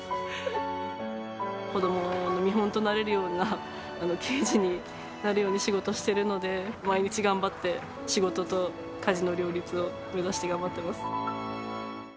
子どもの見本となれるような刑事になるように、仕事してるので、毎日頑張って仕事と家事の両立を目指して頑張ってます。